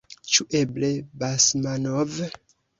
Ĉu eble Basmanov?